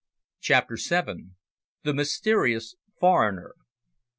CHAPTER SEVEN. THE MYSTERIOUS FOREIGNER.